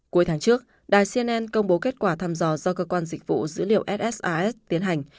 cuối tháng trước đài cnn công bố kết quả thăm dò do cơ quan dịch vụ dữ liệu ssas tiến hành